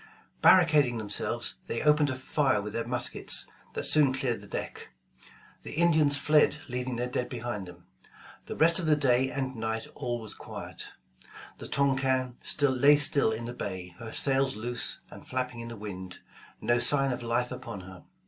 Barricading themselves, they opened a fire with their muskets that soon cleared the deck. The Indians fled leaving their dead behind them. The rest of the day and night all was quiet. The Touquin lay still in the bay, her sails loose and flapping in the wind, no sign of life upon her.